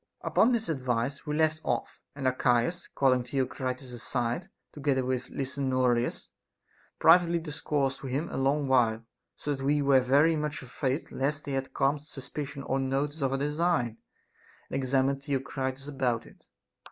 Upon this advice we left off; and Archias, calling Theocritus aside together with Lysanoridas, privately discoursed him a long while, so that we were very much afraid lest they had some suspicion or notice of our design, and examined Theocritus about it.